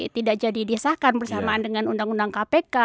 tidak jadi disahkan bersamaan dengan undang undang kpk